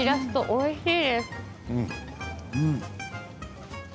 おいしい。